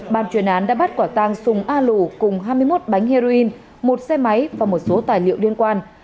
bàn chuyển án đã bắt quả tàng xung a lù cùng hai mươi một bánh heroin một xe máy và một số tài liệu liên quan